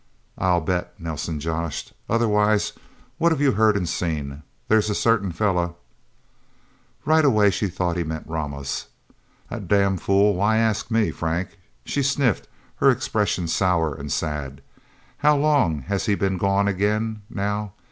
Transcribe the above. "I'll bet," Nelsen joshed. "Otherwise, what have you heard and seen? There's a certain fella..." Right away, she thought he meant Ramos. "The damfool why ask me, Frank?" she sniffed, her expression sour and sad. "How long has he been gone again, now?